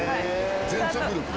全速力で？